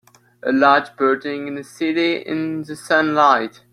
A large building in the city in the sunlight.